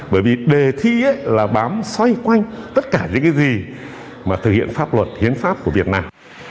bởi vì đề thi là bám xoay quanh tất cả những cái gì mà thực hiện pháp luật hiến pháp của việt nam